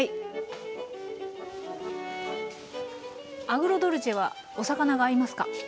アグロドルチェはお魚が合いますか？